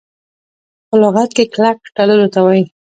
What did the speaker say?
په لغت کي کلک تړلو ته وايي .